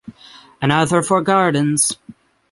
Another for gardens.